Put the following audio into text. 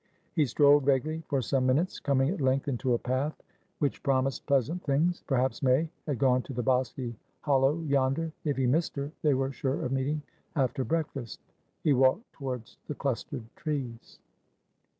He strolled vaguely for some minutes, coming at length into a path which promised pleasant things. Perhaps May had gone to the bosky hollow yonder. If he missed her, they were sure of meeting after breakfast. He walked towards the clustered trees.